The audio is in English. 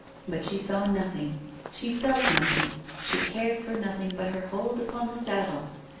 But she saw nothing; she felt nothing; she cared for nothing but her hold upon the saddle.